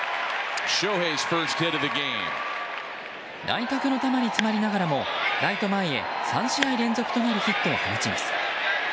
内角の球に詰まりながらもライト前へ３試合連続となるヒットを放ちます。